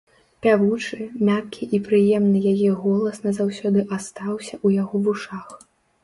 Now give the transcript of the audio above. Пявучы, мяккі і прыемны яе голас назаўсёды астаўся ў яго вушах.